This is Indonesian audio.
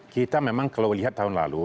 kita memang kalau lihat tahun lalu